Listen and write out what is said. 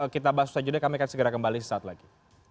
kita bahas saja kami akan segera kembali sesaat lagi